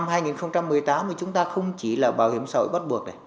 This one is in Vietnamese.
mình chúng ta không chỉ là bảo hiểm xã hội bắt buộc